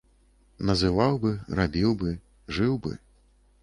Называў бы, рабіў бы, жыў бы.